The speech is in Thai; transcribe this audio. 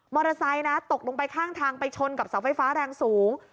ไซค์นะตกลงไปข้างทางไปชนกับเสาไฟฟ้าแรงสูง